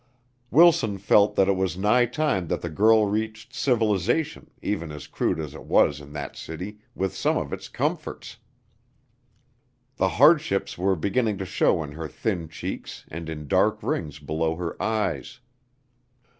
Wilson felt that it was high time that the girl reached civilization even as crude as it was in that city, with some of its comforts. The hardships were beginning to show in her thin cheeks and in dark rings below her eyes.